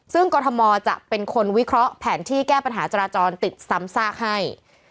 ซึ่งกรทมจะเป็นคนวิเคราะห์แผนที่แก้ปัญหาจราจรติดซ้ำซากให้